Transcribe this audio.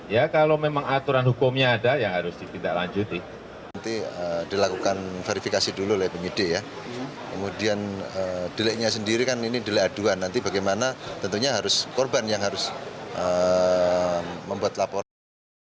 yang berkaitan dengan asutan kebencian yang berkaitan dengan penghinaan kepada simbol simbol negara